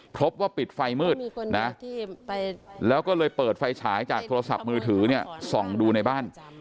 พบว่าปิดไฟมืดนะแล้วก็เลยเปิดไฟฉายจากโทรศัพท์มือถือเนี่ยส่องดูในบ้าน